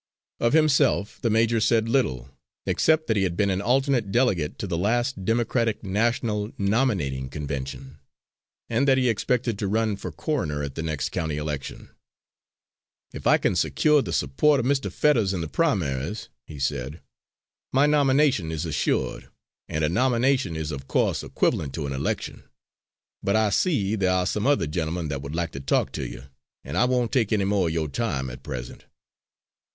Of himself the major said little except that he had been an alternate delegate to the last Democratic National Nominating Convention, and that he expected to run for coroner at the next county election. "If I can secure the suppo't of Mr. Fetters in the primaries," he said, "my nomination is assured, and a nomination is of co'se equivalent to an election. But I see there are some other gentlemen that would like to talk to you, and I won't take any mo' of yo' time at present."